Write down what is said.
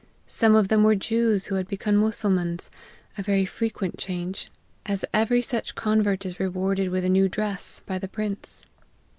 Some of them were Jews who had become Mussulmans ; a very frequent change, as every such convert is rewarded with a new dress, by the prince.